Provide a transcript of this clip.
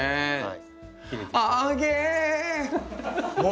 はい。